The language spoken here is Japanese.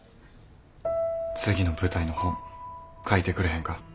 次の舞台の台本書いてくれへんか？